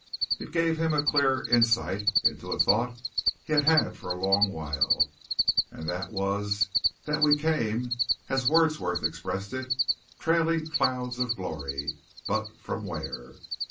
It gave him a clearer insight into a thought he had had for a long while and that was that we came, as Wordsworth expressed it, "trailing clouds of glory." But from where?